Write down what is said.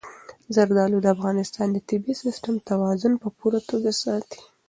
زردالو د افغانستان د طبعي سیسټم توازن په پوره توګه ساتي.